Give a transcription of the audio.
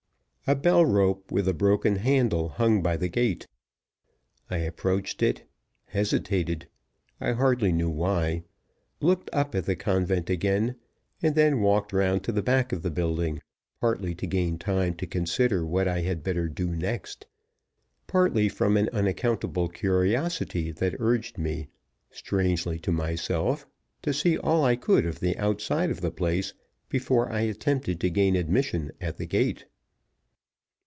A bell rope with a broken handle hung by the gate. I approached it hesitated, I hardly knew why looked up at the convent again, and then walked round to the back of the building, partly to gain time to consider what I had better do next, partly from an unaccountable curiosity that urged me, strangely to myself, to see all I could of the outside of the place before I attempted to gain admission at the gate.